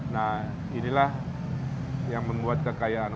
nah inilah yang membuat kekayaan